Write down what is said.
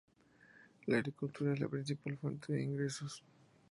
La agricultura es la principal fuente de ingresos.